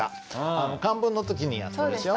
あの漢文の時にやったでしょ。